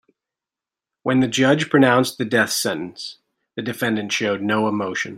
When the judge pronounced the death sentence, the defendant showed no emotion.